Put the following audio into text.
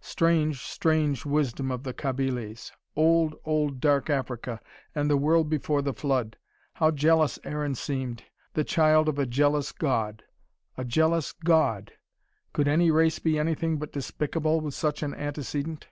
Strange, strange wisdom of the Kabyles! Old, old dark Africa, and the world before the flood! How jealous Aaron seemed! The child of a jealous God. A jealous God! Could any race be anything but despicable, with such an antecedent?